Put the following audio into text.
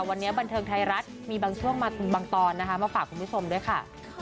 วันนี้บันเทิงไทยรัฐมีบางช่วงบางตอนนะคะมาฝากคุณผู้ชมด้วยค่ะ